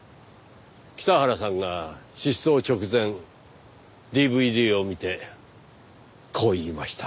北原さんが失踪直前ＤＶＤを見てこう言いました。